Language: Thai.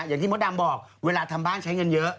อย่างที่มดดำบอกเวลาทำบ้านใช้เงินเยอะ